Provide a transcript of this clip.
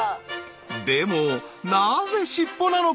でもなぜ尻尾なのか？